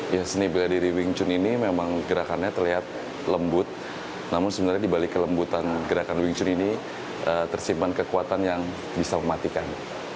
ya seni bela diri wing chun ini memang gerakannya terlihat lembut namun sebenarnya dibalik kelembutan gerakan wing chun ini tersimpan kekuatan yang bisa mematikan